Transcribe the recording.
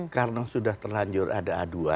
karena sudah terlanjur ada aduan